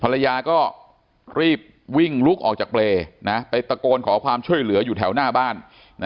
ภรรยาก็รีบวิ่งลุกออกจากเปรย์ไปตะโกนขอความช่วยเหลืออยู่แถวหน้าบ้าน